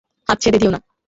হাত ছেড়ে দিও না।